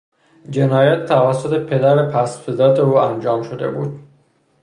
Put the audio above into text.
جنایت توسط پدر پستفطرت او انجام شده بود.